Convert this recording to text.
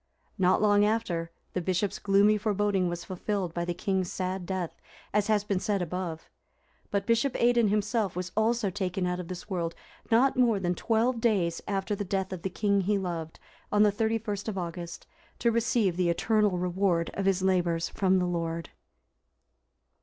Not long after, the bishop's gloomy foreboding was fulfilled by the king's sad death, as has been said above. But Bishop Aidan himself was also taken out of this world, not more than twelve days after the death of the king he loved, on the 31st of August,(364) to receive the eternal reward of his labours from the Lord.